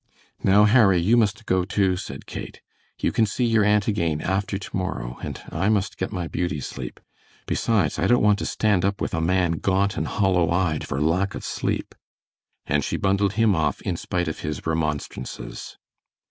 "Now, Harry, you must go, too," said Kate; "you can see your aunt again after to morrow, and I must get my beauty sleep, besides I don't want to stand up with a man gaunt and hollow eyed for lack of sleep," and she bundled him off in spite of his remonstrances.